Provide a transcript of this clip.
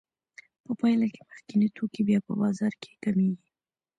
په پایله کې مخکیني توکي بیا په بازار کې کمېږي